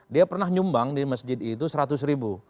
dia pernah nyumbang di masjid itu seratus ribu